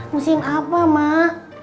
musim apa mak